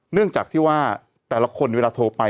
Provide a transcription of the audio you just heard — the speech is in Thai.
เนื่องจากที่ว่าแต่ละคนเวลาโทรไป